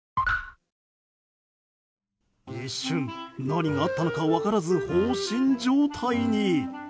一瞬、何があったのか分からず放心状態に。